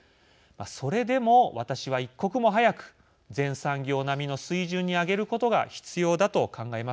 それでも私は一刻も早く全産業並みの水準に上げることが必要だと考えます。